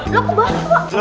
lo ke bawah pak